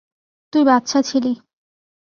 তুই বাচ্চা ছিলি।